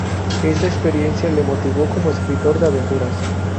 Esa experiencia le motivó como escritor de aventuras.